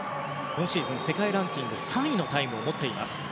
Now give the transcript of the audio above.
今シーズン、世界ランキングで３位のタイムを持っています。